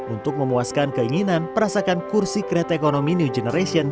untuk memuaskan keinginan merasakan kursi kereta ekonomi new generation